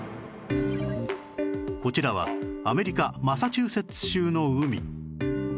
こちらはアメリカマサチューセッツ州の海